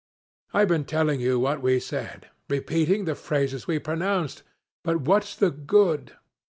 I've been telling you what we said repeating the phrases we pronounced, but what's the good?